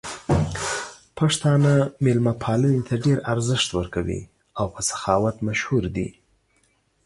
پښتانه مېلمه پالنې ته ډېر ارزښت ورکوي او په سخاوت مشهور دي.